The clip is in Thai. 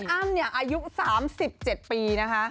อ้ำอายุ๓๗ปีนะคะ